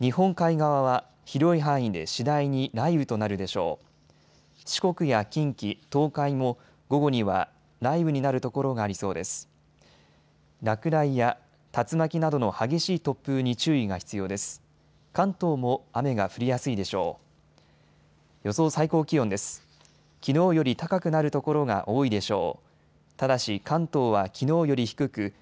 関東も雨が降りやすいでしょう。